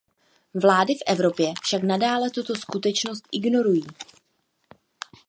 Vlády v Evropě však nadále tuto skutečnost ignorují.